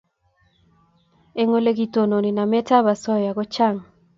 Eng' ole kitononi namet ab asoya ko chang'